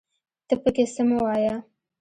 ته پکې څه مه وايه